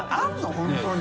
本当に。